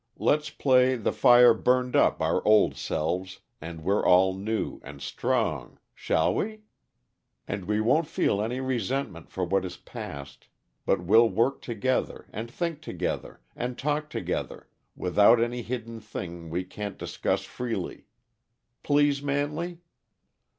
Let's play the fire burned up our old selves, and we're all new, and strong shall we? And we won't feel any resentment for what is past, but we'll work together, and think together, and talk together, without any hidden thing we can't discuss freely. Please, Manley!"